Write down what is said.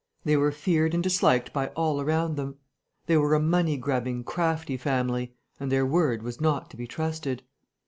They were feared and disliked by all around them. They were a money grubbing, crafty family; and their word was not to be trusted.